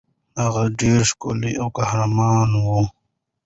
هغه ډېره ښکلې او قهرمانه وه.